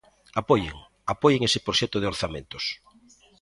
Apoien, apoien ese proxecto de orzamentos.